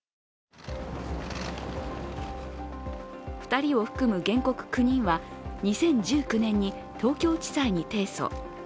２人を含む原告９人は２０１９年に東京地裁に提訴。